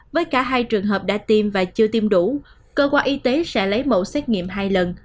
với cả hai trường hợp đã tiêm và chưa tiêm đủ cơ quan y tế sẽ lấy mẫu xét nghiệm hai lần